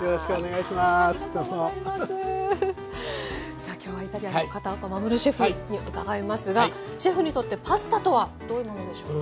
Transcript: さあ今日はイタリアンの片岡護シェフに伺いますがシェフにとってパスタとはどういうものでしょうか？